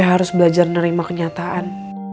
gue harus belajar menerima kenyataan